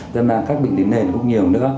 rất là các bệnh tính nền cũng nhiều nữa